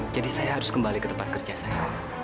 jadi saya harus kembali ke tempat kerja saya